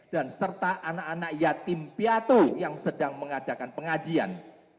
dan serta anak anak yatim piatu yang sedang mengadakan pengajian